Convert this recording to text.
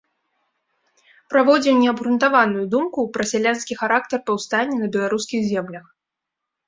Праводзіў неабгрунтаваную думку пра сялянскі характар паўстання на беларускіх землях.